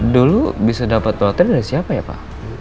dulu bisa dapat baterai dari siapa ya pak